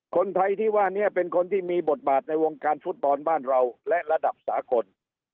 คนไทยที่ว่านี้เป็นคนที่มีบทบาทในวงการฟุตบอลบ้านเราและระดับสากล